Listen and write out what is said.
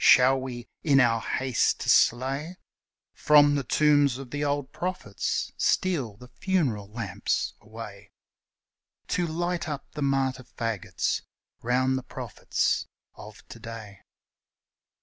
Shall we, in our haste to slay, From the tombs of the old prophets steal the funeral lamps away To light up the martyr fagots round the prophets of to day?